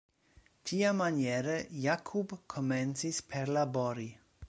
Tiamaniere Jakub komencis perlabori.